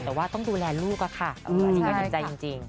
แต่ว่าต้องดูแลลูกล่ะค่ะอืมจริงจริง